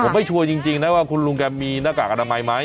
ผมไม่ชัวร์จริงจริงนะว่าคุณลุงแกมีหน้ากากอดับใหม่ไหม